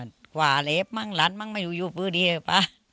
สกว่าเหลิกมั้งหลันมั้งมือปืนเย็บ